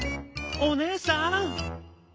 おねえさん！」。